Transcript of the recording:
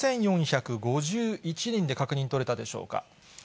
４４５１人で確認取れたでしょうか。